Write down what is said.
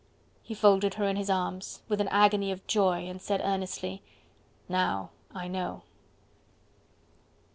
He folded her in his arms, with an agony of joy, and said earnestly: "Now I know."